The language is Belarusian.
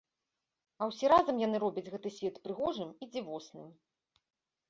А ўсе разам яны робяць гэты свет прыгожым і дзівосным.